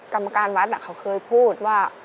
กรรมการวัฒนธ์อะเขาเคยพูดว่า